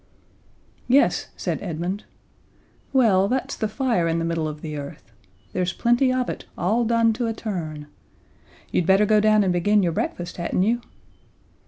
"Yes," said Edmund, "well, that's the fire in the middle of the earth. There's plenty of it, all done to a turn. You'd better go down and begin your breakfast, hadn't you?"